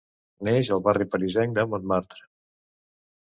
Neix al barri parisenc de Montmartre.